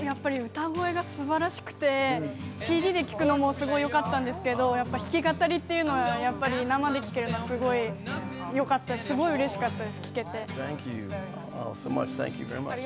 歌声が素晴らしくて、ＣＤで聴くのもすごくよかったんですけど、弾き語りというのが生で聴けるのがすごくよかった、うれしかったです。